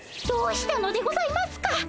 どうしたのでございますか？